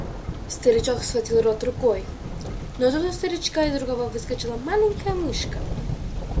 Старичок схватил рот рукой, но тут у старичка из рукава выскочила маленькая мышка.